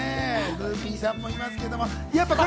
ヌーピーさんもいますけれども。